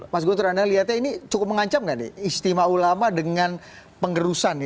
mas guntur anda lihatnya ini cukup mengancam nggak nih istimewa ulama dengan pengerusan